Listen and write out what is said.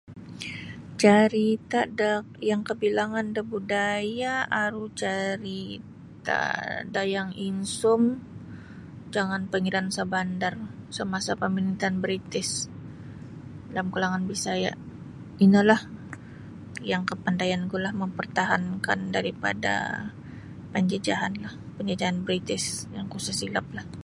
Carita da yang kabilangan da budaya aru carita Dayang Insum jangan Pangeran Shahbandar samasa pamarintaan British dalam kalangan Bisaya ino lah yang kapandaian ku lah mampartahan daripada penjajahan lah British yang ku isa silap lah.